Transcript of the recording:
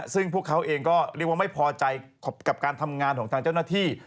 ซึ่งพวกเขาเองก็เรียกว่าไม่พอใจกับการทำงานของทางเจ้าหน้าที่